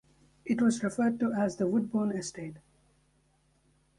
It was referred to as the Woodbourne Estate.